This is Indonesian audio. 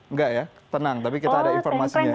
enggak ya tenang tapi kita ada informasinya